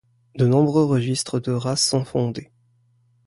De nombreux registres de races sont fondés.